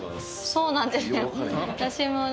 そうなんですよ。